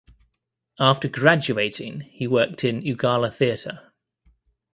After graduating he worked in Ugala Theatre.